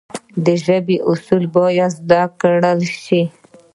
د ژبي اصول باید زده کړل سي.